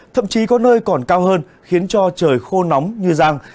thậm chí có nơi còn cao hơn khiến cho trời khô nóng như giang